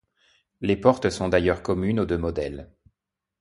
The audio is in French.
Les portes sont d'ailleurs communes aux deux modèles.